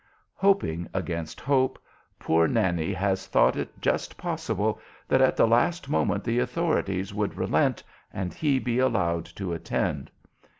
Hoping against hope, poor Nannie has thought it just possible that at the last moment the authorities would relent and he be allowed to attend.